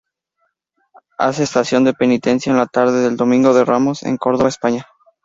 Hace estación de Penitencia en la tarde el Domingo de Ramos en Córdoba, España.